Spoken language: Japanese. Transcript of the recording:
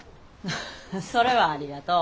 ハッそれはありがとう。